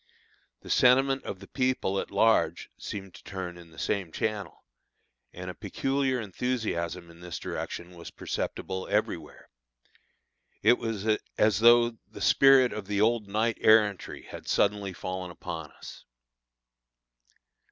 The sentiment of the people at large seemed to turn in the same channel, and a peculiar enthusiasm in this direction was perceptible everywhere. It was as though the spirit of the old knight errantry had suddenly fallen upon us.